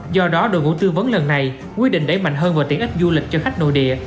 do đó đội ngũ tư vấn lần này quyết định đẩy mạnh hơn vào tiện ích du lịch cho khách nội địa